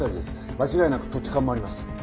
間違いなく土地勘もあります。